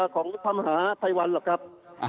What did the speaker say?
ของพระมหาภัยวันหรอกครับ